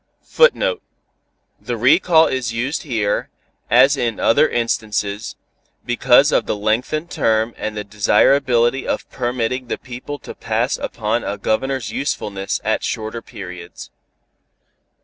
[Footnote: The recall is used here, as in other instances, because of the lengthened term and the desirability of permitting the people to pass upon a Governor's usefulness at shorter periods.